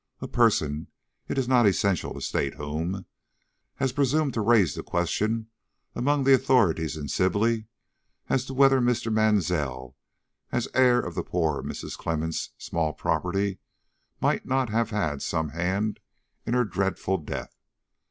A person it is not essential to state whom has presumed to raise the question among the authorities in Sibley as to whether Mr. Mansell, as heir of poor Mrs. Clemmens' small property, might not have had some hand in her dreadful death.